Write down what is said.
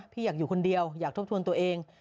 พี่อยากอยู่คนเดียวอยากทบทวนตัวเอง